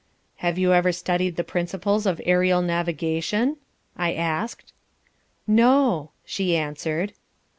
"Have you ever studied the principles of aerial navigation?" I asked. "No," She answered.